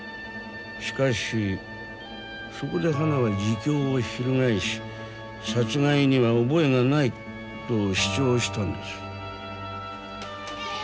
しかしそこでハナは自供を翻し殺害には覚えがないと主張したんです。